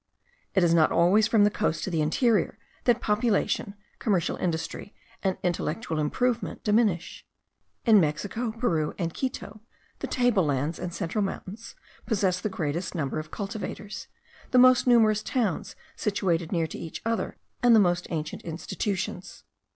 It is not always from the coast to the interior, that population, commercial industry, and intellectual improvement, diminish. In Mexico, Peru, and Quito, the table lands and central mountains possess the greatest number of cultivators, the most numerous towns situated near to each other, and the most ancient institutions.